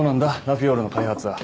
ラフィオールの開発は。